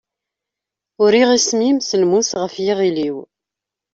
Uriɣ isem-im s lmus ɣef yiɣil-iw.